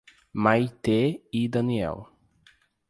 Maitê e Daniel